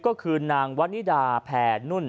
ก็คือนางวันนิดาแผ่นุ่น